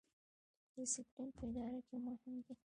ډیسپلین په اداره کې مهم دی